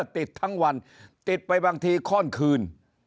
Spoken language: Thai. ติดทั้งวันติดไปบางทีข้อนคืน